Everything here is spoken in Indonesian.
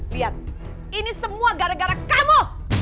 lihat ini semua gara gara kamu